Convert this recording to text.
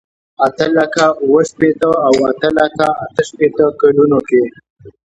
اته لکه اوه شپېته او اته لکه اته شپېته کلونو کې.